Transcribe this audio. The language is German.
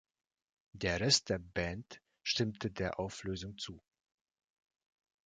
Der Rest der Band stimmte der Auflösung zu.